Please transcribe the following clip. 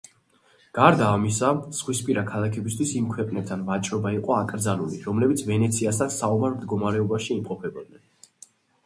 გარდა ამისა, ზღვისპირა ქალაქებისთვის იმ ქვეყნებთან ვაჭრობა იყო აკრძალული, რომლებიც ვენეციასთან საომარ მდგომარეობაში იმყოფებოდნენ.